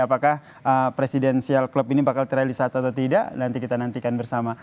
apakah presidensial club ini bakal terrealisasi atau tidak nanti kita nantikan bersama